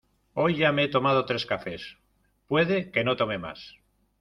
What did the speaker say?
Hoy ya me he tomado tres cafés, puede que no tome más.